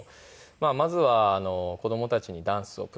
まずは子供たちにダンスをプレゼントして。